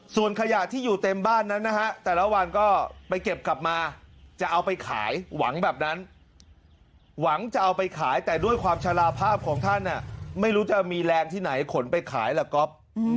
ส่วนขยะที่อยู่เต็มบ้านนั้นนะฮะแต่ละวันก็ไปเก็บกลับมาจะเอาไปขายหวังแบบนั้นหวังจะเอาไปขายแต่ด้วยความชะลาภาพของท่านไม่รู้จะมีแรงที่ไหนขนไปขายล่ะก๊อฟ